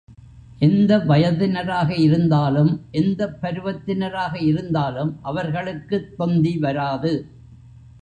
எந்த வயதினராக இருந்தாலும், எந்தப் பருவத்தினராக இருந்தாலும் அவர்களுக்குத் தொந்தி வராது.